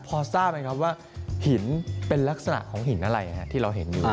พอทราบไหมครับว่าหินเป็นลักษณะของหินอะไรที่เราเห็นอยู่